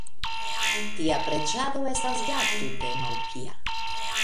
Tia preĝado estas ja tute malpia!